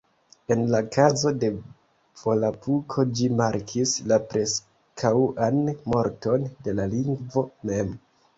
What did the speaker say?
En la kazo de Volapuko ĝi markis la preskaŭan morton de la lingvo mem